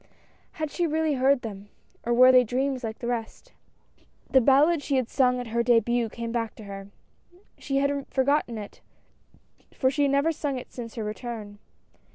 Had she really heard them, or were they dreams like the rest. The ballad she had sung at her debut came back to her. She had forgotten it for she had never sung it since her return.